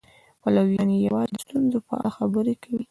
پلویان یې یوازې د ستونزو په اړه خبرې کوي.